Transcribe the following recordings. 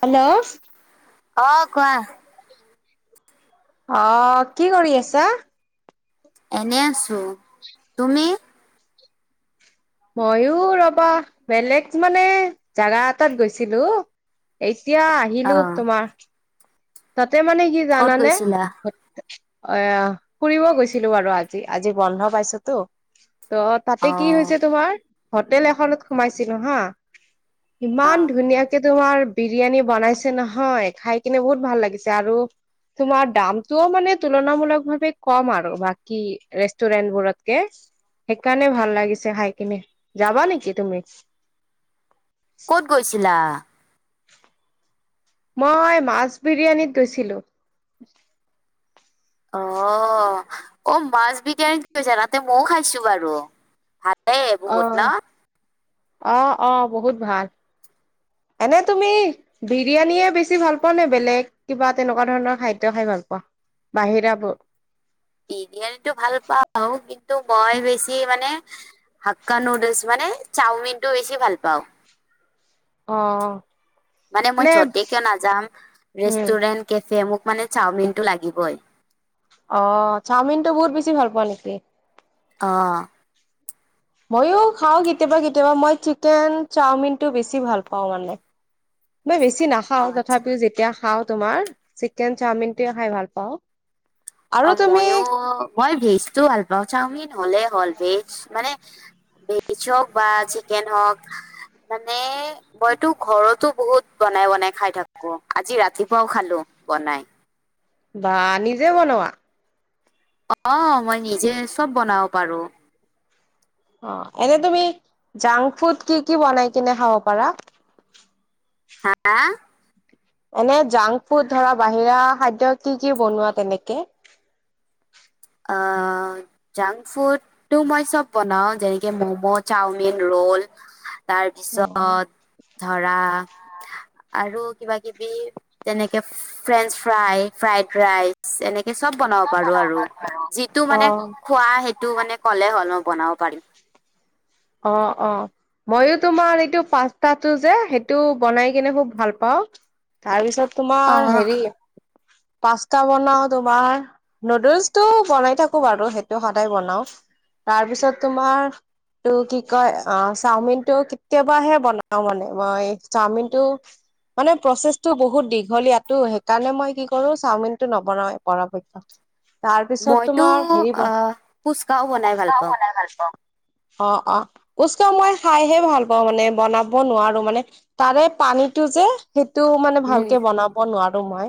Hello? অ', কোৱা? অ', কি কৰি আছা? এনে আছোঁ, তুমি? মইয়ো ৰবা বেলেগ মানে জাগা এটাত গৈছিলোঁ। এতিয়া অ আহিলো তোমাৰ। তাতে মানে কি ক'ত জানানে গৈছিলা অ', ফুৰিব গৈছিলোঁ বাৰু আজি আজি বন্ধ পাইছোতো। ত' তাতে অ কি হৈছে তোমাৰ হোটেল এখনত সোমাইছিলো হা। অ ইমান ধুনীয়াকে তোমাৰ বিৰিয়ানী বনাইছে নহয়, খাই কিনে বহুত ভাল লাগিছে আৰু তোমাৰ দামটোও মানে তুলনামূলক ভাৱে কম আৰু বাকী ৰেষ্টুৰেন্ট বোৰতকে। সেইকাৰণে ভাল লাগিছে খাই কিনে, যাবা নেকি তুমি? ক'ত গৈছিলা? মই মাছ বিৰিয়ানীত গৈছিলোঁ। অ', অ', মাছ বিৰিয়ানী গৈছা তাতে মইও খাইছো বাৰু ভাত। অ', অ', অ', বহুত ভাল, এনে তুমি বিৰিয়ানীয়ে বেছি ভাল পোৱা নে বেলেগ কিবা তেনেকুৱা ধৰণৰ খাদ্য খাই ভাল পোৱা? বাহিৰা বস্তু বিৰিয়ানীটো ভাল পাওঁ কিন্তু মই বেছি মানে হাক্কা নুডেলছ মানে চাওমিন টো বেছি ভাল পাওঁ। অ'। মানে মই নে য'তে কিয় নাযাম উম ৰেষ্টুৰেন্ট কেফে মোক মানে চাওমিনটো লাগিবই। অ', চাওমিন টো বহুত বেছি ভাল পোৱা নেকি? অ'। মইও খাওঁ কেতিয়াবা কেতিয়াবা মই চিকেন চাওমিনটো বেছি ভাল পাওঁ মানে। মই বেছি অ নাখাও আচ্ছা তথাপিও, যেতিয়া খাও তোমাৰ চিকেন চাওমিনটোৱে খাই ভাল পাওঁ। আৰু অ', তুমি মইও মই ভেজ টো ভাল পাওঁ, চাওমিন হলে হ'ল ভেজ মানে ভেজ হওক বা চিকেন হওক মানে মইতো ঘৰতো বহুত বনাই বনাই খাই থাকো আজি ৰাতিপুৱাও খালো বনাই। বা নিজে বনোৱা? অ', মই নিজে চব বনাব পাৰো। অ', এনে তুমি জাংক ফুড কি কি বনাই কিনে খাব পাৰা? হা? এনে জাংক ফুড ধৰা বাহিৰা খাদ্য কি কি বনোৱা তেনেকে? অ' জাংক ফুডটো মই চব বনাও যেনেকে মম' চাওমিন ৰোল। অ তাৰপিছত ধৰা আৰু কিবা কিবি তেনেকে ফ্ৰেঞ্চ ফ্ৰাই ফ্ৰাইড ৰাইচ এনেকে চব বনাব পাৰো আৰু যিটো মানে খোৱা সেইটো মানে ক'লে হ'ল মই বনাব পাৰিম। অ অ মইও তোমাৰ এইটো পাস্তাটো যে সেইটো বনাই কিনে খুব ভাল পাওঁ। তাৰ পিছত তোমাৰ হেৰি অ পাস্তা বনাও তোমাৰ নুডলছটো বনাই থাকো বাৰু সেইটো সদায় বনাও তাৰপিছত তোমাৰ ত কি কয় অ চাওমিন টো কেতিয়াবাহে বনাও মানে মই চাওমিন টো মানে প্ৰচেছটো বহুত দীঘলীয়াটো সেইকাৰণে মই কি কৰো চাওমিনটো নবনাও পৰা পক্ষত তাৰ পিছত মইতো তোমাৰ হেৰি আহ ফুচকাও বনাই বনাই ভাল ফুচকা ও পাওঁ। বনাই ভাল পাওঁ। অ অ ফুচকা মই খাইহে ভাল পাওঁ মানে বনাব নোৱাৰো মানে তাৰে পানীটো যে সেইটো মানে উম। ভালকে বনাব নোৱাৰো মই।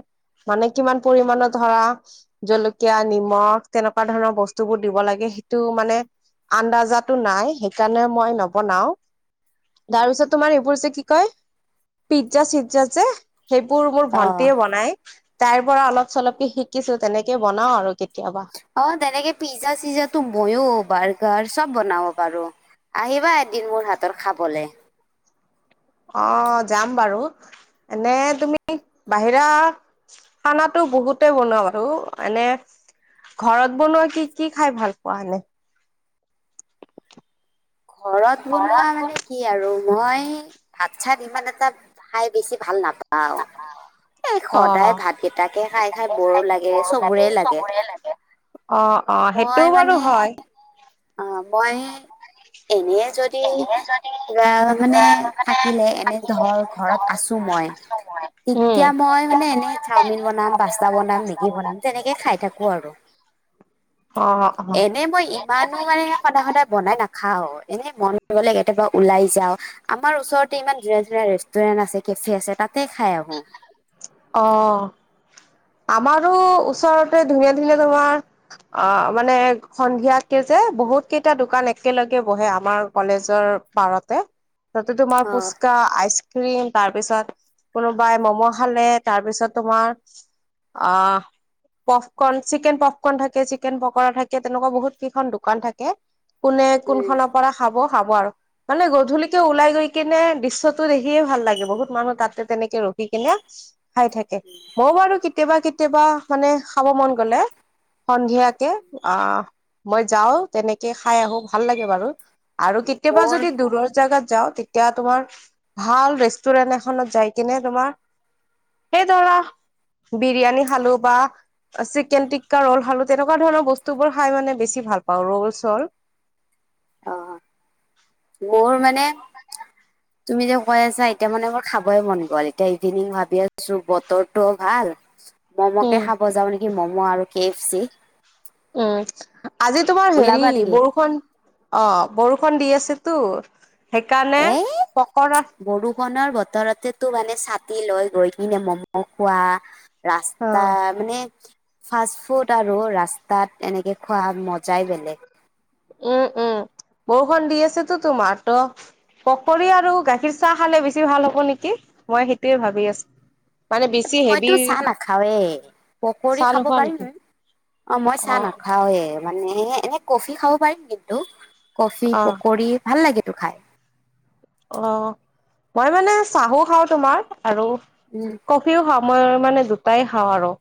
মানে কিমান পৰিমানৰ ধৰা জলকীয়া নিমখ তেনেকুৱা ধৰণৰ বস্তু বোৰ দিব লাগে সেইটো মানে আন্দাজত টো নাই সেইকাৰণে মই নবনাও তাৰপিছত তোমাৰ এইবোৰ যে কি কয়। পিজ্জা-চিজ্জা যে সেইবোৰ মোৰ অ ভন্টিএ বনাই। তাইৰ পৰা অলপ চলপকে শিকিছোঁ তেনেকে বনাও আৰু কেতিয়াবা। অ তেনেকে পিজ্জা-চিজ্জা তো ময়ো বাৰ্গাৰ চব বনাব পাৰোঁ। আহিবা এদিন মোৰ হাতৰ খাবলে। অ যাম বাৰু এনে তুমি বাহিৰা খানাটো বহুতে বনোৱা বাৰু এনে ঘৰত বনোৱা কি কি খাই ভাল পোৱা এনে ঘৰত বনোৱা মানে কি কি আৰু মই ভাত - চাত ইমান এটা খাই বেছি ভাল নাপাওঁ। এই অ সদায় ভাতকেইটা তাকে খাই খাই বৰ লাগে চবৰে লাগে। অ অ মই সেইটোও বাৰু মানে হয়। অ মই এনে যদি কিবা মানে থাকিলে এনে ধৰ ঘৰত আছোঁ মই উম। তেতিয়া মই মানে এনেই চাওমিন বনাম পাস্তা বনাম মেগী বনাম তেনেকে খাই থাকো আৰু অ অ এনে মই মানুহ মানে সদায় সদায় বনাই নাখাওঁ এনেই মন গ'লে কেতিয়াবা ওলাই যাও। আমাৰ ওচৰতে ইমান ধুনীয়া ধুনীয়া ৰেষ্টুৰেণ্ট আছে কেফে আছে তাতে খাই আহোঁ। অ', আমাৰো ওচৰতে ধুনীয়া ধুনীয়া তোমাৰ আ, মানে সন্ধিয়াকে যে বহুত কেইটা দোকান একেলগে বহে। আমাৰ কলেজৰ পাৰতে তাতে তোমাৰ উম ফুচকা আইচক্ৰীম তাৰ পিছত কোনোবাই ম'ম' খালে। তাৰপিছত তোমাৰ আহ পফকণ, চিকেন পফকন থাকে, চিকেন পকৰা থাকে। তেনেকুৱা বহুত কেইখন দোকান থাকে। কোনে কোনখনৰ পৰা খাব খাব আৰু। মানে গধূলিকে ওলাই গৈ কিনে দৃশ্যটো দেখিয়ে ভাল লাগে বহুত মানুহ তাতে তেনেকে ৰখি কিনে খাই থাকে। মই বাৰু কেতিয়াবা কেতিয়াবা মানে খাব মন গ'লে সন্ধিয়াকে আ। মই যাওঁ তেনেকে খাই আহোঁ ভাল লাগে বাৰু আৰু কেতিয়াবা মোৰ যদি দূৰৰ জাগাত যাওঁ এতিয়া তোমাৰ ভাল ৰেষ্টুৰেণ্ট এখনত যাই কিনে তোমাৰ সেই ধৰা বিৰিয়ানী খালো বা চিকেন টিক্কা ৰল খালো তেনেকুৱা ধৰণৰ বস্তু বোৰ খাই মানে বেছি ভাল পাওঁ ৰ'ল-চল অ মোৰ মানে [unintelligible] তুমি যে কৈ আছা এতিয়া মানে মোৰ খাবই মন গল এতিয়া ইভিনিং ভাবি আছো বতৰটোঅ ভাল। [inaudible] ম'ম'কে খাব যাওঁ নেকি ম'ম' আৰু কে এফ চি। উম, আজি তোমাৰ হেৰি ওলাবা নেকি বৰষূণ অ', বৰষুণ দি আছেতো সেইকাণে পকৰা বৰুষুণৰ বতৰতেতো মানে ছাতি লৈ গৈ কিনে ম'ম খোৱা। ৰাস্তা মানে ফাষ্ট ফুড আৰু ৰাস্তাত এনেকে খোৱা মজাই বেলেগ। উম, উম, বৰষূণ দি আছেতো তোমাৰ ট পকৰি আৰু গাখীৰ চাহ খালে বেছি ভাল হ'ব নেকি। মই সেইটোৱে ভাবি আছ মইতো চাহ নাখাওৱে পকৰি চাহ খাব নোখোৱা পাৰিম। নেকি অ', মই চাহ নাখাওৱে। মানে এনে কফি খাব পাৰিম কিন্তু কফি অ পকৰি ভাল লাগেতো খাই। অ', মই মানে চাহো খাওঁ তোমাৰ আৰু উম। কফিও খাওঁ মই মানে দুটাই খাওঁ আৰু।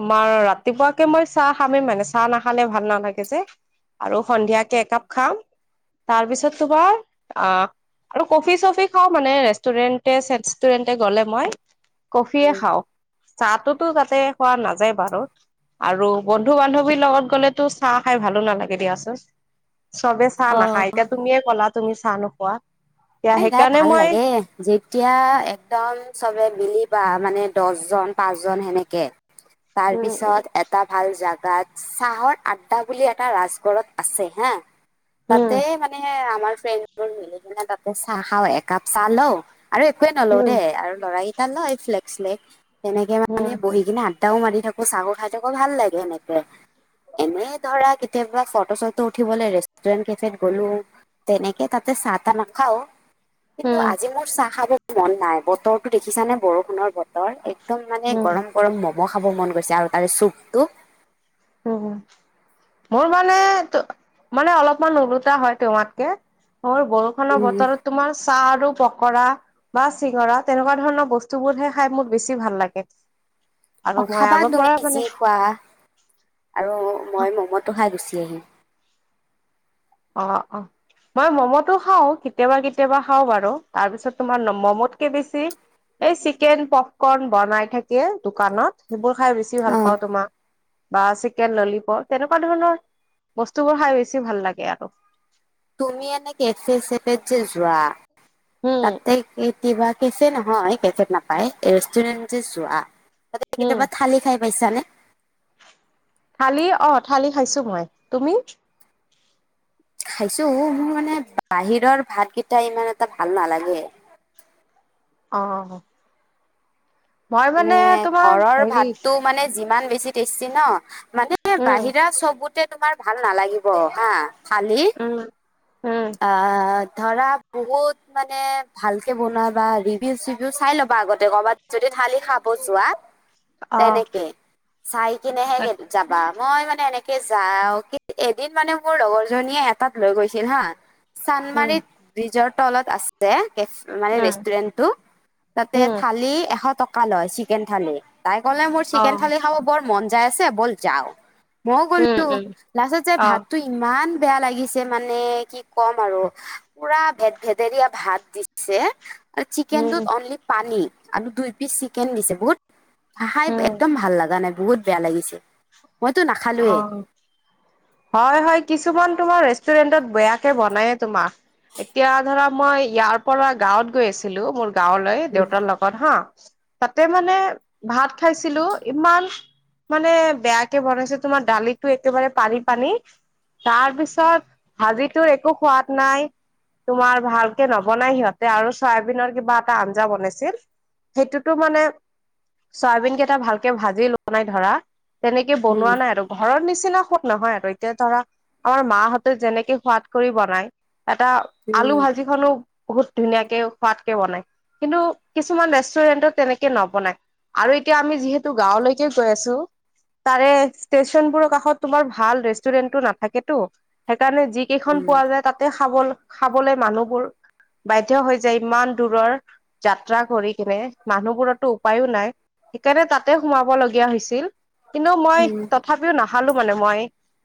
তোমাৰ ৰাতিপুৱাকে মই চাহ খামে মানে। চাহ নাখালে ভাল নালাগে যে। আৰু সন্ধিয়াকে একাপ খাম। তাৰ পিছত তোমাৰ আ আৰু কফি চফি খাওঁ মানে ৰেষ্টুৰেণ্টে চেষ্টুৰেণ্টে গ'লে মই। কফিয়ে উম খাওঁ। চাতুটো তাতে খোৱা নাযায় বাৰু। আৰু বন্ধু বান্ধৱীৰ লগত গ'লেতো চাহ খাই ভালো নালাগে দিয়াচোন। চবে চাহ অ। নাখায়। এতিয়া তুমিয়ে ক'লা তুমি চাহ নোখোৱা। এতিয়া এই নাই সেইকাৰণে ভাল মই লাগে। যেতিয়া একদম চবে মিলিবা মানে দছ জন পাঁচ জন সেনেকে। [inaudible] তাৰ উম পিছত এত টা ভাল জাগাত চাহৰ আড্ডা বুলি এটা ৰাজগড়ত আছে হা। উম তাতে মানে আমাৰ ফ্ৰেণ্ডবোৰ মিলি কিনে তাতে চাহ খাওঁ একাপ চাহ লও। আৰু একোৱে নলওঁ উম দেই আৰু ল'ৰাকেইটা লয় ফ্লেগ শ্লেগ। তেনেকে উম মানে বহি কিনে আদ তাও মাৰি থাকো চাহো খাই থাকো ভাল লাগে সেনেকে। এনেই ধৰা কেতিয়াবা ফটো চটো উঠিবলে ৰেষ্টুৰেন্ট কেফেত গ'লো। তেনেকে তাতে চাহ তা না খাও উম কিন্তু আজি মোৰ চাহ খাব মন নাই। বতৰটো দেখিছানে বৰষুণৰ বত তৰ একদম মানে উম গৰম গৰম ম'ম' খাব মন গৈছে আৰু তাৰে চুপটো। হু হু মোৰ মানে ত মানে অলপমান ওলোটা হয় তোমাতকে মোৰ বৰ ষুণৰ উম, বতৰত তোমাৰ চাহ আৰু পকৰা। বা চিঙৰা তেনেকুৱা ধৰণৰ বস্তুবোৰহে খাই মোৰ বেছি ভাল লাগে। আৰু অ' মই খাবা আগৰ পৰা তুমি মানে যি খোৱা আৰু মই মমতো খাই গুচি আহিম। অ' অ'। মই ম'মতো খাওঁ কেতিয়াবা কেতিয়াবা খাওঁ বাৰু তাৰ পিছত তোমাৰ নম ম'মতকে বেছি। এই চিকেন পপকৰ্ন বনাই থাকে দোকানত সেইবোৰ খাই বেছি অ, ভাল পাওঁ তোমাক। বা চিকেন ললিপপ তেনেকুৱা ধৰণৰ বস্তুবোৰ খাই বেছি ভাল লাগে আ [inaudible] তুমি এনে কেফে চেফেত যে যোৱা উম, তাতে কি কিবা কেফে নহয় কেফেত নাপায়, ৰেষ্টুৰেন্টে যোৱা উম। কেতিয়াবা থালি খাই পাইছানে? থালি অ', থালি খাইছো মই, তুমি? খাইছো মোৰ মানে বাহিৰৰ ভাত কেইটা ইমান এটা ভাল নালাগে অ' মই মানে তোমাৰ ঘৰৰ হেৰি ভাতটো মানে যিমান বেছি টেষ্টি ন মানে উম বাহিৰা চবতে তোমাৰ ভাল নালাগিব হা খালি উম উম অ' ধৰা বহুত মানে ভালকে বনোৱা বা ৰিভিউ চিভিউ চাই ল'বা আগতে কৰ'বাত যদি থালি খাব যোৱা অ তেনেকে চাই কিনেহে কে যাবা মই মানে এনেকে যাওঁ কি এদিন মানে মোৰ লগৰ জনীয়ে এটাত লৈ গৈছিল হা উম চানমাৰিত ব্ৰিজৰ তলত আছ ছে কেফ মানে উম ৰেষ্টুৰেনটো তাতে উম থালি এশ টক কা লয় চিকেন থালি। তাই কলে মোৰ চিকেন থালি খাব বৰ মন যাই আছে ব'ল যাওঁ মও উম গ'লো উম লাষ্টত যে অ ভাতটো ইমান বেয়া লাগিছে মানে কি কম আৰু পুৰা ভেদ-ভেদেৰীয়া ভাত দিছে আৰু উম চিকেনটোত অনলি পানী আৰু দুই পিচ চিকেন দিছে বহুত খাই উম এক্দম ভাল লগা নাই বহুত বেয়া লাগিছে মইতো নাখালোৱে। অ' হয় হয় কিছুমান তোমাৰ ৰেষ্টুৰেন্টত বেয়াকে বনায়ে তোমাক এতিয়া ধৰা মই ইয়াৰ পৰা গাঁৱত গৈ আছিলো মোৰ গাঁৱলৈ উম দেউতাৰ লগ ত হা তাতে মানে ভাত খাইছিলোঁ ইমান মানে বেয়াকে বনাইছে তোমাৰ দালিতো একেবাৰে পানী পানী তাৰ পিছত ভাজিটোৰ একো সোৱাদ নাই তোমাৰ ভালকে নবনাই সিহঁতে আৰু চয়াবিনৰ কিবা এটা আঞ্জা বনাইছিল সেইটোতো মানে চয়াবিন কেইটা ভালকে ভাজি লোৱা নাই ধৰা তেনেকে উম বনোৱা নাই আৰু ঘৰৰ নিচিনা সুত নহয় আৰু এতিয়া ধৰা আমাৰ মাহঁতে যেনেকে সোৱাদ কৰি বনায় এটা উম আলু ভাজি খালোঁ বহুত ধুনীয়াকে সোৱাদকে বনাই কিন্তু কিছুমান ৰেষ্টুৰেণ্টত তেনেকে নবনায়। আৰু এতিয়া আমি যিহেতু গাঁৱলৈকে গৈ আছোঁ তাৰে ষ্টেচন বোৰৰ কাষত তোমাৰ ভাল ৰেষ্টুৰেন্টটো নাথাকেতো সেইকাৰণে যি কেইখন উম পোৱা যায় তাতে খাব খাবলে মানুহবোৰ বাধ্য হৈ যায় ইমান দূৰৰ যাত্ৰা কৰি কিনে মানুহবোৰতো উপায়ো নাই সেইকাৰণে তাতে সোমাব লগীয়া হৈছিল। কিন্তু মই উম তথাপিও নাখালো মানে মই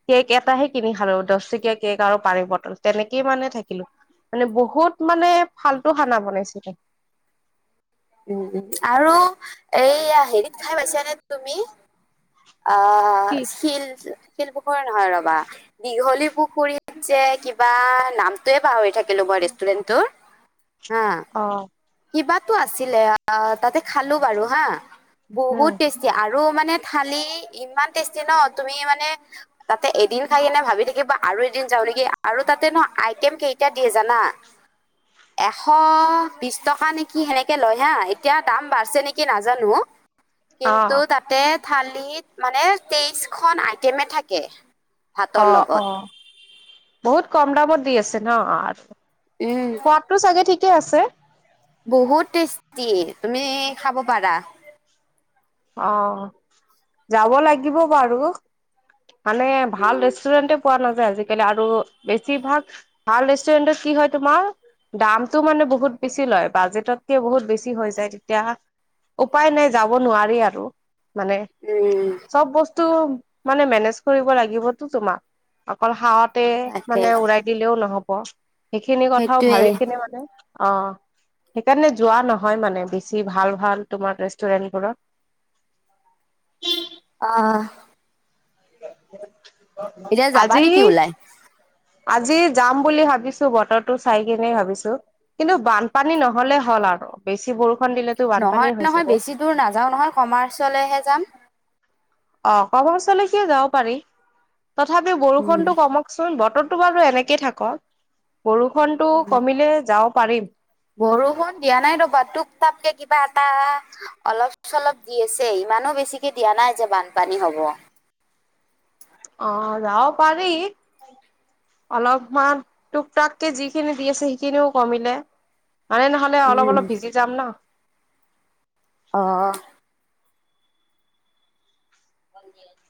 কেক এটাহে কিনি খালোঁ দশ টকীয়া কেক, আৰু পানীৰ বটল তেনেকেই মানে থাকিলোঁ। মানে বহুত মানে ফাল্টু খানা বনাইছিলে উম উম আৰু এইয়া হেৰিত খাই পাইছানে তুমি আহ অ শিল শিল পুখুৰা নহয় ৰবা দীঘলী পুখুৰীত যে কিবা নামটোৱে পাহৰি থাকিলোঁ মই ৰেষ্টুৰেণ্টটোৰ অ কিবাটো আছিলে তাতে খালো বাৰু হা উম বহুত টে আৰু মানে থালি ইমান টেষ্টি ন তুমি মানে তাতে এদিন খাই কিনে ভাবি থাকিবা আৰু এদিন যাওঁ নেকি আৰু তাতে ন আইটেম কেইটা দিয়ে জানা [unintelligible] এশ বিশ টকা নেকি সেনেক কে লয় হা এতিয়া দাম বাঢ়ছে নেকি নাজানো অ কিন্তু তাত ততে থালিত মানে তেইশ খন আইটেমে থাকে ভাতৰ অ লগত অ বহুত কম দামত দি আছে ন আৰু উম। তো চাগে ঠিকে আছে। বহুত টেষ্টি তুমি খাব পাৰা। অ' যাব লাগিব বাৰু মানে ভাল ৰেষ্টুৰেণ্টে। পোৱা নাযায় আজিকালি আৰু বেছিভাগ ভাল ৰেষ্টুৰেন্টত কি হয় তোমাৰ! দামতটো মানে বহুত বেছি লয় বাজেটতকে বহুত বেছি হৈ যায় তেতিয়া। উপায় নাই যাব নোৱাৰি আৰু মানে উম চব বস্তু মানে মেনেজ কৰিব লাগিবতো তোমাক অকল খাৱাতে তাকে মানে উৰাই দিলেও নহব সেইখিনি কথাও সেইটোৱে ভাবি কিনে মানে অ সেইকাৰণে যোৱা নহয় মানে বেছি ভাল ভাল তোমাৰ ৰেষ্টুৰেন্টবোৰত অ এতিয়া যাবা আজি নেকি ওলাই? আজি যাম বুলি ভাবিছো বতৰটো চাই কিনে ভাবিছো কিন্তু বানপানী নহলে হ'ল আৰু বেছি বৰষুণ দিলে নহয় নহয় বেছি দূৰ নাযাও নহয় কমাৰ্চলেহে যাম অ কমাৰ্চলৈকে যাব পাৰি তথাপি উম। বৰষুণতো কমক ককচোন বতৰটো বাৰু এনেকে থাকক বৰষুনটো কমিলে যাব পাৰিম বৰষুণ দিয়া নাই ৰ'বা টোপ তাপকে কিবা এটা অলপ চলপ দি আছে ইমানো বেছিকে দিয়া নাই যে বানপানী হব অ যাব পাৰি হয় অলপমান টুপ টাককে যিখিনি দি আছে সেইখিনিও কমিলে মানে নহ'লে অলপ উম। অলপ ভিজি যাম ন অঁ ভে